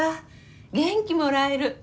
元気もらえる。